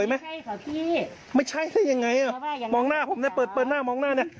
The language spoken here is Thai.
ไม่เอาเดี๋ยวผมตามไปนั่นนี่